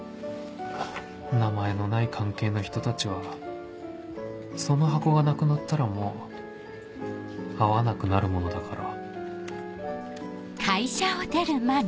名前のない関係の人たちはその箱がなくなったらもう会わなくなるものだから